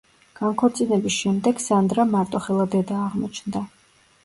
განქორწინების შემდეგ სანდრა მარტოხელა დედა აღმოჩნდა.